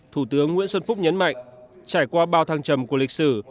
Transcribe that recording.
thủ tướng nguyễn xuân phúc nhấn mạnh trải qua bao thăng trầm của lịch sử